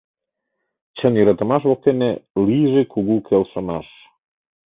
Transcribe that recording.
Чын йӧратымаш воктене Лийже кугу келшымаш.